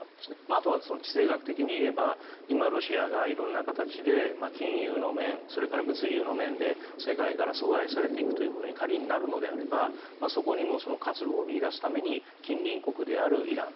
あとは地政学的に言えば今、ロシアが色んな形で金融の面、それから物流の面で世界から疎外されていくということに仮になるのであればそこに活路を見いだすために近隣国であるイラン